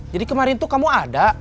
jadi kemarin tuh kamu ada